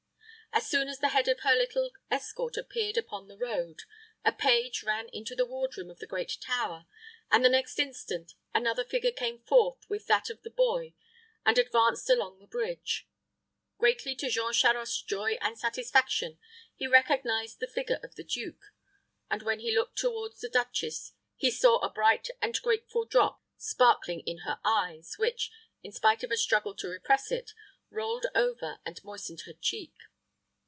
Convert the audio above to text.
As soon as the head of her little escort appeared upon the road, a page ran into the ward room of the great tower, and the next instant another figure came forth with that of the boy, and advanced along the bridge. Greatly to Jean Charost's joy and satisfaction, he recognized the figure of the duke, and when he looked toward the duchess, he saw a bright and grateful drop sparkling in her eyes, which, in spite of a struggle to repress it, rolled over and moistened her cheek.